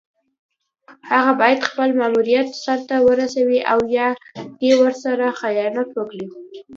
هغه باید خپل ماموریت سر ته ورسوي او یا دې ورسره خیانت وکړي.